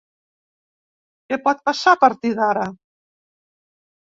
Què pot passar a partir d’ara?